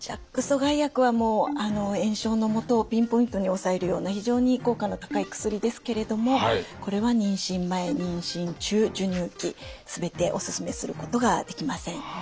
ＪＡＫ阻害薬はもう炎症のもとをピンポイントに抑えるような非常に効果の高い薬ですけれどもこれは妊娠前妊娠中授乳期全ておすすめすることができません。